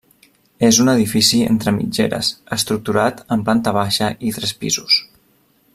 És un edifici entre mitgeres estructurat en planta baixa i tres pisos.